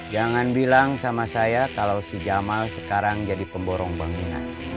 jangan bilang sama saya kalau si jamal sekarang jadi pemborong bangunan